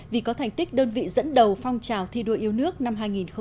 vì có thành tích đơn vị dẫn đầu phong trào thi đua yêu nước năm hai nghìn một mươi chín